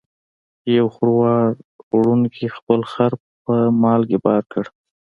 یو خروار وړونکي خپل خر په مالګې بار کړ.